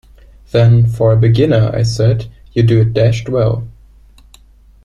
'Then, for a beginner,' I said, 'you do it dashed well.'